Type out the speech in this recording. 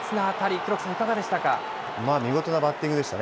黒木さん、いかがでしたか。